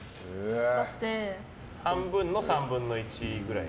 半分の３分の１ぐらい。